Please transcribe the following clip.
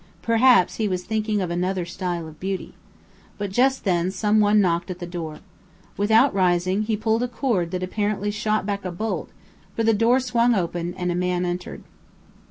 Perhaps he was thinking of another style of beauty. But just then someone knocked at the door. Without rising, he pulled a cord that apparently shot back a bolt, for the door swung open, and a man entered.